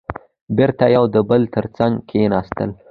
بېرته يو د بل تر څنګ کېناستل.